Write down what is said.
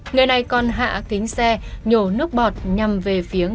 người này còn hạ kính xe nhổ nước bọt nhằm về phía người đàn ông